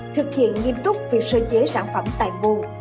thực hiện nghiêm túc việc sơ chế sản phẩm tài bu